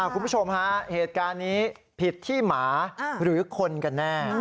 คุณผู้ชมฮะเหตุการณ์นี้ผิดที่หมาหรือคนกันแน่